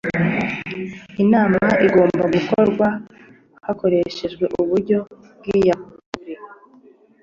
inama igomba gukorwa hakoreshejwe uburyo bw’iyakure